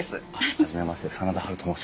初めまして真田ハルと申します。